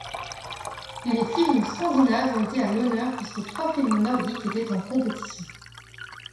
Les films scandinaves ont été à l'honneur puisque trois films nordiques étaient en compétition.